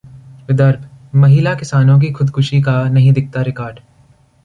विदर्भ: महिला किसानों की खुदकुशी का नहीं दिखता रिकॉर्ड